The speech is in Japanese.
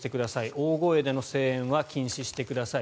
大声での声援は禁止してください